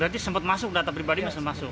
berarti sempat masuk data pribadi masih masuk